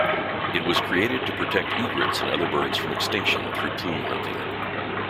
It was created to protect egrets and other birds from extinction through plume hunting.